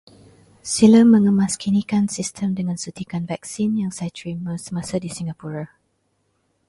Sila mengemaskinikan sistem dengan suntikan vaksin yang saya terima semasa di Singapura.